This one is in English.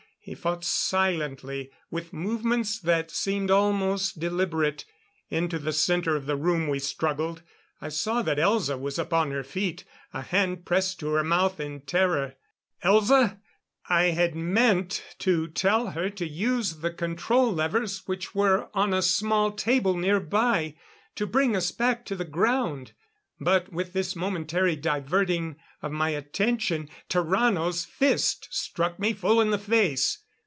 He fought silently, with movements that seemed almost deliberate. Into the center of the room we struggled. I saw that Elza was upon her feet, a hand pressed to her mouth in terror. "Elza!" I had meant to tell her to use the control levers which were on a small table nearby to bring us back to the ground; but with this momentary diverting of my attention, Tarrano's fist struck me full in the face.